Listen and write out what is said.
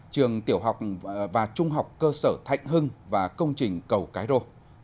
trường tiểu học và trung học cơ sở thạnh hưng và công trình cầu cái rô